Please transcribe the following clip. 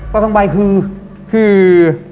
ตาทองใบคือ